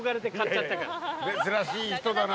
珍しい人だな。